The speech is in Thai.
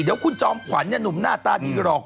เดี๋ยวคุณจอมขวัญเนี่ยนุ่มหน้าตาดีกว่าหรอก